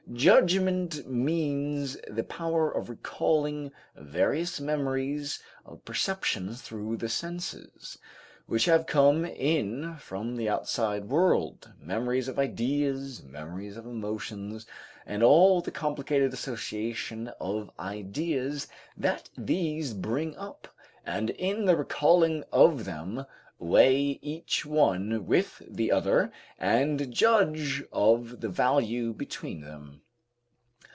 Judgment means the power of recalling various memories of perceptions through the senses, which have come in from the outside world, memories of ideas, memories of emotions, and all the complicated association of ideas that these bring up, and in the recalling of them weigh each one with the other and judge of the value between them.